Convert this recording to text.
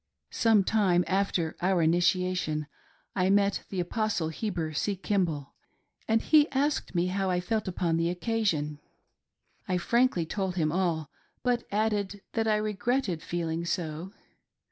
Some time after our initiation I met the Apostle Heber C. Kimball, and he asked me how I felt upon the occasion. I frankly told him all, but added that I regretted feeling so.